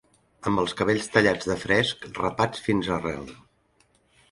Amb els cabells tallats de fresc, rapats fins arrel